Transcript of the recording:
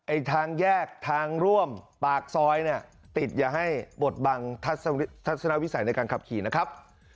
ทางแยกทางร่วมปากซอยเนี่ยติดอย่าให้บดบังทัศนวิสัยในการขับขี่นะครับ